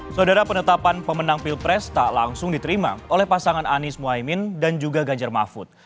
saudara penetapan pemenang pilpres tak langsung diterima oleh pasangan anies mohaimin dan juga ganjar mahfud